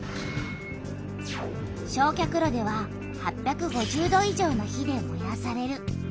焼却炉では８５０度以上の火でもやされる。